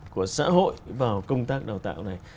của xã hội vào công tác đào tạo này